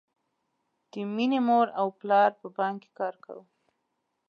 د مینې مور او پلار په بانک کې کار کاوه